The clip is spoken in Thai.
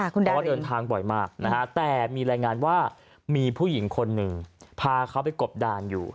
เพราะว่าเดินทางบ่อยมากนะฮะแต่มีรายงานว่ามีผู้หญิงคนหนึ่งพาเขาไปกบดานอยู่